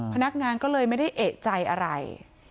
พนักงานก็เลยไม่ได้เอกใจอะไร